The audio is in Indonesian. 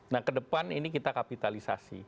nah ke depan ini kita kapitalisasi